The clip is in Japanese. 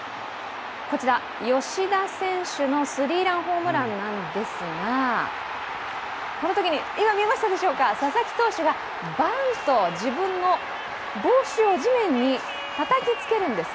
吉田選手のスリーランホームランなんですが、このときに、今見えましたでしょうか、佐々木投手がバンと自分の帽子を地面にたたきつけるんです。